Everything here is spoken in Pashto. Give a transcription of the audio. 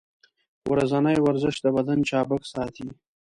ورځنی ورزش د بدن چابک ساتي.